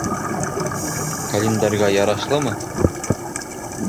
Календаргә ярашлымы?